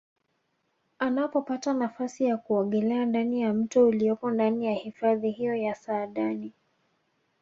Anapopata nafasi ya kuogelea ndani ya mto uliopo ndani ya hifadhi hiyo ya Saadani